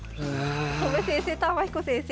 戸辺先生と天彦先生。